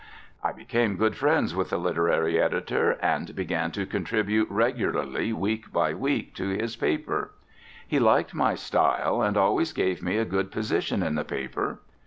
I became good friends with that literary editor, and began to contribute regularly week by week to his paper. He liked my style, and always gave me a good position in the paper.